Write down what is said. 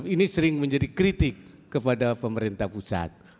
ini sering menjadi kritik kepada pemerintah pusat